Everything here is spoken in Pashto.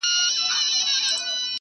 چي په مینه دي را بولي د دار سرته,